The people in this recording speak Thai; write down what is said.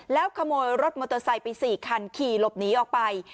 แล้วขโมยรถมอเตอร์ไซค์ไป๔คันขี่หลบหนีออกไป